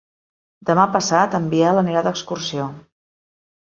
Demà passat en Biel anirà d'excursió.